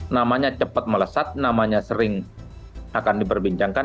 namanya cepat melesat namanya sering akan diperbincangkan